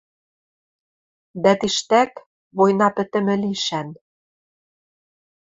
Дӓ тиштӓк, война пӹтӹмӹ лишӓн